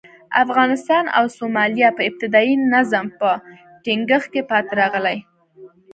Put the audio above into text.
افغانستان او سومالیا په ابتدايي نظم په ټینګښت کې پاتې راغلي.